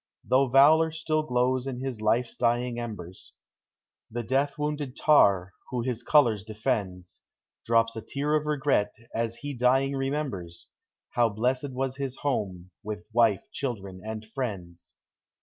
Though valor still glows in his life's dying em bers, The death wounded tar, who his colors defends, Drops a tear of regret as he dying remembers How blessed was his home with — wife, children, and friends.